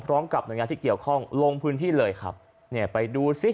พร้อมกับหน่วยงานที่เกี่ยวข้องลงพื้นที่เลยครับเนี่ยไปดูซิ